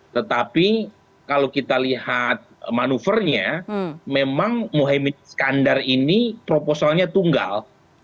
tetapi kalau kita lihat manuvernya memang mohaimin iskandar ini proposalnya tunggal